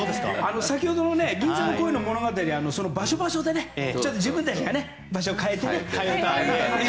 先ほどの「銀座の恋の物語」は場所、場所で自分たちが場所を変えてね。